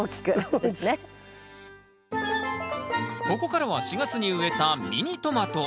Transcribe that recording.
ここからは４月に植えたミニトマト。